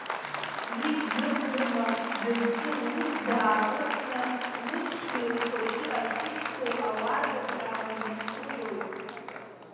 Уи зны-зынла, дызҿу лус дааҟәыҵны, лыԥшәмеи лхәыҷи ахьышьҭоу ауада дааҩнашылоит.